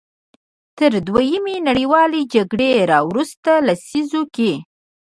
تر دویمې نړیوالې جګړې راوروسته لسیزو کې.